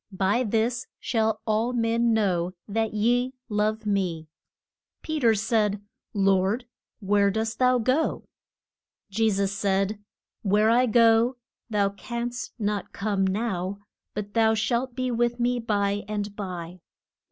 By this shall all men know that ye love me. Pe ter said, Lord, where dost thou go? Je sus said, Where I go thou canst not come now, but thou shalt be with me by and by.